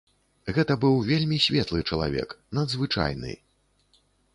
Гэта быў вельмі светлы чалавек, надзвычайны.